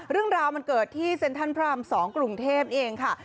เรื่องราวมันเกิดที่เซ็นทรัลพระราม๒กรุงเทพนี่เองค่ะ